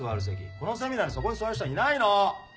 このセミナーでそこに座る人はいないの！